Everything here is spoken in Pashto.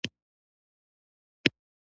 خلک په کې د سودا ګیلاسونه ډکوي او تشوي.